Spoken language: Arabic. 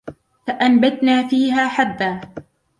فَأَنْبَتْنَا فِيهَا حَبًّا